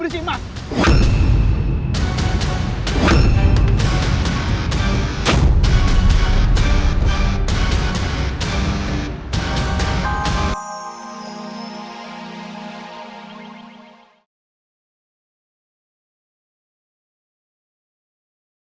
karena aku tahu